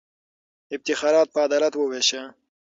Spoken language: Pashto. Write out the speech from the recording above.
افتخارات په عدالت ووېشه.